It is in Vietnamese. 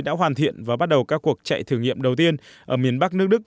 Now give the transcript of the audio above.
đã hoàn thiện và bắt đầu các cuộc chạy thử nghiệm đầu tiên ở miền bắc nước đức